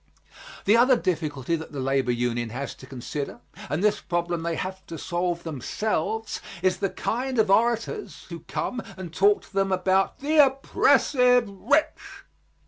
The other difficulty that the labor union has to consider, and this problem they have to solve themselves, is the kind of orators who come and talk to them about the oppressive rich.